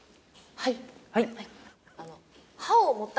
はい。